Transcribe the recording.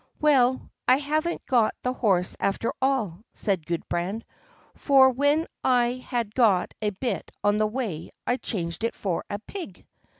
"Well, I haven't got the horse, after all," said Gudbrand; "for when I had got a bit on the way I changed it for a pig."